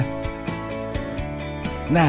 nah itulah sedikit sharing tentang bi